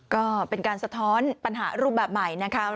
ก็เป็นการสะท้อนปัญหารูปแบบใหม่นะคะ